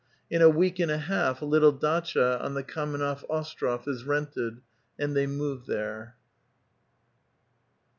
In a week and a half a little datcha on the Kamennoi' Ostrof is reuted, and they move there.